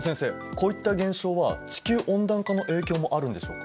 こういった現象は地球温暖化の影響もあるんでしょうか？